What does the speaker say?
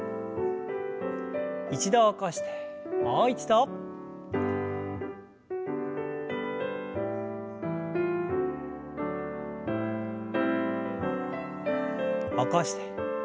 一度起こしてもう一度。起こして。